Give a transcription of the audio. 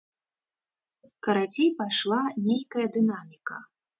Карацей, пайшла нейкая дынаміка.